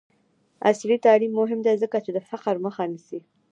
عصري تعلیم مهم دی ځکه چې د فقر مخه نیسي.